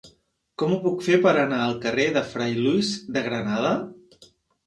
Com ho puc fer per anar al carrer de Fra Luis de Granada?